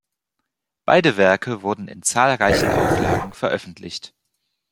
Beide Werke wurden in zahlreichen Auflagen veröffentlicht.